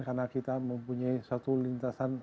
karena kita mempunyai satu lintasan